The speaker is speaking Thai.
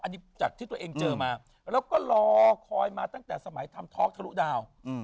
อันนี้จากที่ตัวเองเจอมาแล้วก็รอคอยมาตั้งแต่สมัยทำทอล์กทะลุดาว